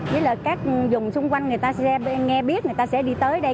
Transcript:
với là các dùng xung quanh người ta sẽ nghe biết người ta sẽ đi tới đây